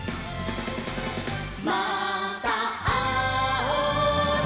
「またあおうね」